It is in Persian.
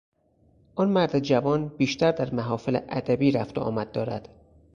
آن مرد جوان بیشتر در محافل ادبی رفت و آمد دارد.